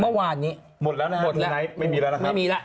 เมื่อวานนี้หมดแล้วนะครับไม่มีแล้วนะครับ